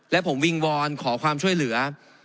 และผมวิงวอนขอความช่วยเหลือ